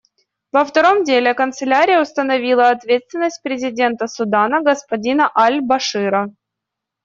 Во втором деле Канцелярия установила ответственность президента Судана господина аль-Башира.